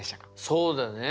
そうだね。